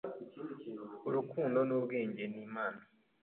Urukundo n'ubwenge nimpano